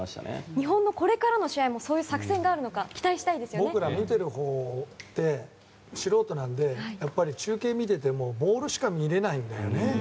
日本のこれからの試合もそういう作戦があるのか僕ら見ているほうは素人なので中継見ててもボールしか見れないんだよね。